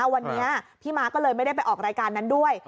วันนี้พี่ม้าก็เลยไม่ได้ไปออกรายการนั้นด้วย